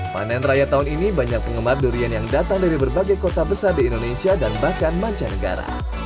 panen raya tahun ini banyak penggemar durian yang datang dari berbagai kota besar di indonesia dan bahkan mancanegara